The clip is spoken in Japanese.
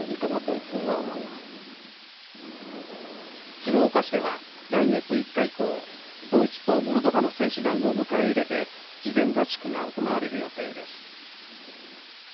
鶴岡市では来月５日以降ドイツとモルドバの選手団を迎え入れて事前合宿が行われる予定です。